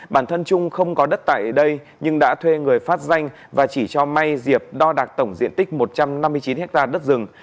bản thân trung không có đất tại đây nhưng đã thuê người phát danh và chỉ cho may diệp đo đạt tổng diện tích một trăm năm mươi chín ha đất rừng